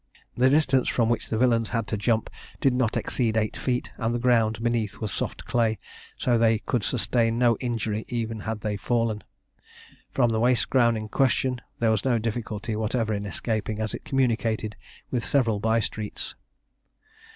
The distance which the villains had to jump did not exceed eight feet, and the ground beneath was soft clay; so they could sustain no injury even had they fallen. From the waste ground in question there was no difficulty whatever in escaping, as it communicated with several by streets.